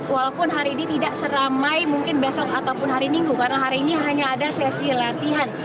walaupun hari ini tidak seramai mungkin besok ataupun hari minggu karena hari ini hanya ada sesi latihan